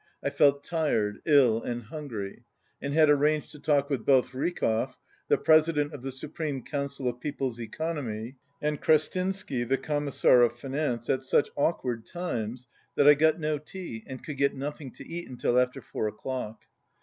I felt tired, ill and hungry, and had arranged to talk with both Rykov, the President of the Supreme Council of People's Economy, and Krestinsky, the Commissar of Finance, at such awkward times that I got no tea and could get nothing to eat until after four o'clock.